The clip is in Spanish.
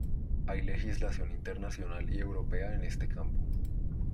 Hay legislación internacional y europea en este campo.